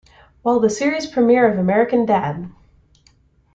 While the series premiere of American Dad!